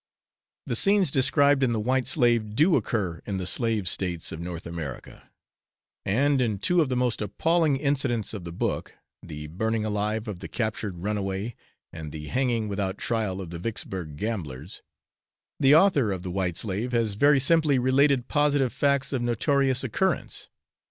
The scenes described in the 'White Slave' do occur in the slave States of North America; and in two of the most appalling incidents of the book the burning alive of the captured runaway, and the hanging without trial of the Vicksburg gamblers the author of the 'White Slave' has very simply related positive facts of notorious occurrence.